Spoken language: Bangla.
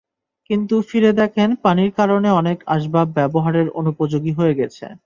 কিন্তু ফিরে দেখেন পানির কারণে অনেক আসবাব ব্যবহারের অনুপযোগী হয়ে গেছে।